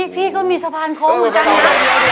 พี่ก็มีสะพานโค้งอยู่ฝั่งเนี่ย